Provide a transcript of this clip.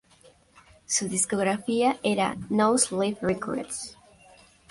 Su Discográfica era No Sleep Records.